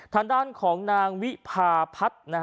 ทางด้านของนางวิพาพัฒน์